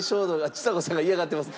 ちさ子さんが嫌がってます。